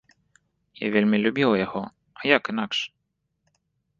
Я вельмі любіла яго, а як інакш?